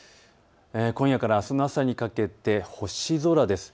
今夜からあすの朝にかけて星空です。